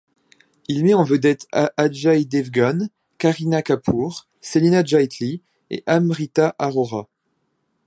Il met en vedette Ajay Devgan, Kareena Kapoor, Celina Jaitley et Amrita Arora.